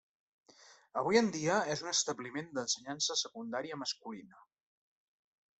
Avui en dia és un establiment d'ensenyança secundària masculina.